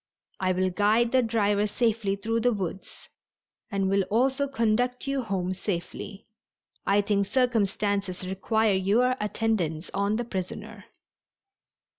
I will guide the driver safely through the woods and will also conduct you home safely. I think circumstances require your attendance on the prisoner."